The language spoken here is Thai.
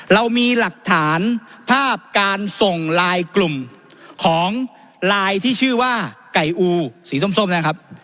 เรามีหลักฐานภาพการส่งไลน์กลุ่มของไลน์ที่ชื่อว่าไก่อูสีส้มนะครับ